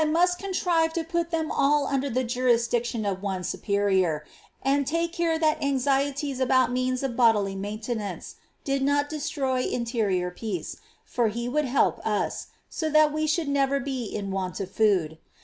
393 must contrive to put them all under the jurisdiction of one superior,^ and take care that anxieties about means of bodily maintenance did not destroy interior peace, for He would help us, so that we should never be in want of food.